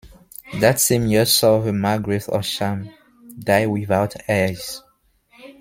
That same year saw the Margraves of Cham die without heirs.